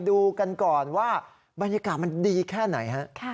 วันนี้ฝาไปฟิน